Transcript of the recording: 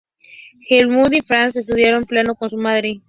Helmut y Franz estudiaron piano con su madre.